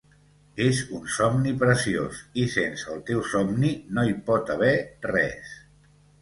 és un somni preciós i sense el teu somni no hi pot haver res